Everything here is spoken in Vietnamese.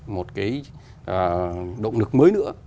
một động lực mới nữa